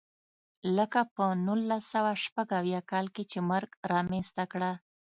لکه په نولس سوه شپږ اویا کال کې چې مرګ رامنځته کړه.